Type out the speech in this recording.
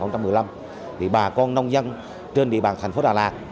thì bà con nông dân trên địa bàn thành phố đà lạt